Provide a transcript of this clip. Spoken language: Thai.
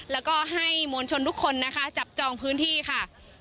แล้วก็ให้มวลชนทุกคนนะคะจับจองพื้นที่ค่ะ